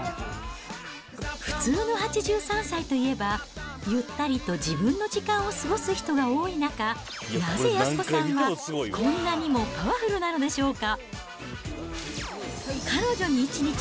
普通の８３歳といえば、ゆったりと自分の時間を過ごす人が多い中、なぜ安子さんは、こんなにもパワフルなのでしょうか。